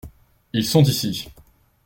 Ils sont ici.